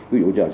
ví dụ như là